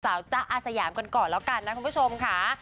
จ๊ะอาสยามกันก่อนแล้วกันนะคุณผู้ชมค่ะ